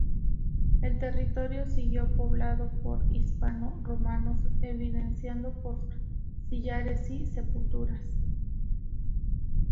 El territorio siguió poblado por hispano-romanos, evidenciado por sillares y sepulturas.